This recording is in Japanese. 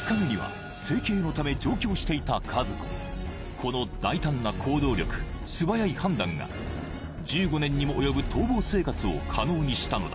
この大胆な行動力素早い判断が１５年にも及ぶ逃亡生活を可能にしたのだ